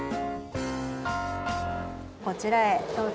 こちらへどうぞ。